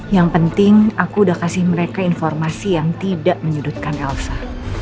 yang penting aku udah kasih mereka informasi yang tidak menyudutkan elsa